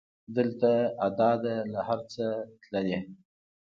دلته ادا ده له هر څه تللې